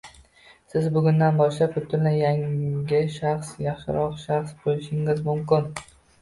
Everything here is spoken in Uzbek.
Siz bugundan boshlab butunlay yangi shaxs, yaxshiroq shaxs bo’lishingiz mumkin